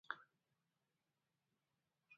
د نجونو تعلیم د ښځو رهبري وړتیا لوړولو سبب دی.